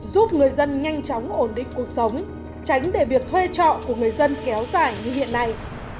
giúp người dân nhanh chóng ổn định cuộc sống tránh để việc thuê trọ của người dân kéo dài như hiện nay